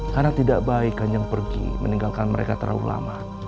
karena tidak baik kanjang pergi meninggalkan mereka terlalu lama